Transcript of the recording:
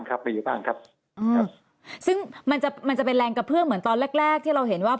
ก็สมควรที่จะได้รับโทษขนาดนี้แล้ว